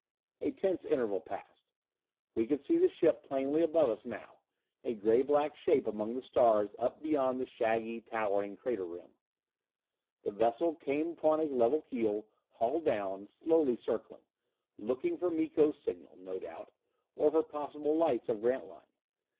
A tense interval passed. We could see the ship plainly above us now, a gray black shape among the stars up beyond the shaggy, towering crater rim. The vessel came upon a level keel, hull down, slowly circling, looking for Miko's signal, no doubt, or for possible lights of Grantline.